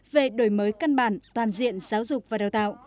về đổi mới căn bản toàn diện giáo dục và đào tạo